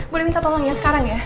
boleh minta tolongnya sekarang ya